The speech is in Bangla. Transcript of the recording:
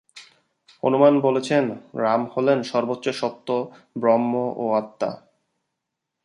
হনুমান বলছেন, রাম হলেন সর্বোচ্চ সত্য ব্রহ্ম ও আত্মা।